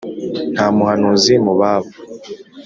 Nta muhanuzi mu babo